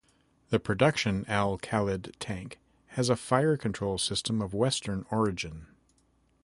The production Al-Khalid tank has a fire-control system of western origin.